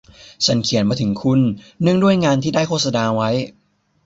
ฉันเขียนมาถึงคุณเนื่องด้วยงานที่ได้โฆษณาไว้